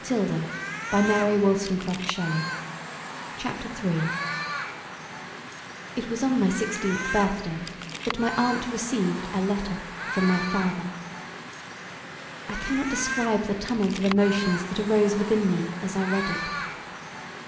[A] Wordsworth [B] Dante CHAPTER III It was on my sixteenth birthday that my aunt received a letter from my father. I cannot describe the tumult of emotions that arose within me as I read it.